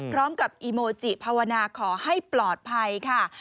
พร้อมกับอีโมจิภาวนาขอให้ปลอดภัยค่ะ